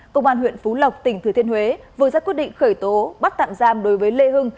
công an huyện phú lộc tỉnh thừa thiên huế vừa ra quyết định khởi tố bắt tạm giam đối với lê hưng